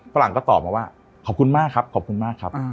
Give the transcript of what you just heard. ฝรั่งก็ตอบมาว่าขอบคุณมากครับขอบคุณมากครับ